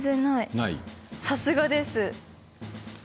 さすがです！お。